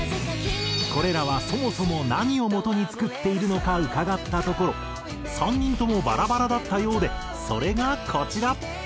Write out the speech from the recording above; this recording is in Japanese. これらはそもそも何をもとに作っているのか伺ったところ３人ともバラバラだったようでそれがこちら。